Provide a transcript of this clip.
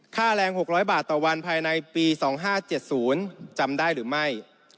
ค่าแรง๖๐๐บาทต่อวันภายในปี๒๕๗๐จำได้หรือไม่